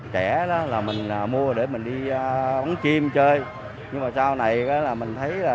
trẻ đó là mình mua để mình đi bóng chim chơi nhưng mà sau này là mình thấy là